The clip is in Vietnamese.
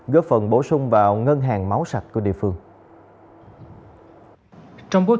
góp phần bổ sung vào ngân hàng máu sạch của địa phương